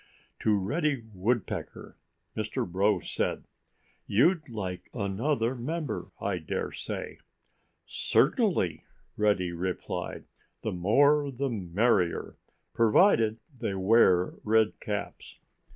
To Reddy Woodpecker Mr. Crow said, "You'd like another member, I dare say." "Certainly!" Reddy replied. "The more the merrier—provided they wear red caps."